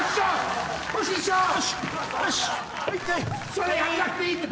それやんなくていいって。